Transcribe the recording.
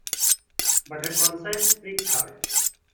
But her conscience pricked her.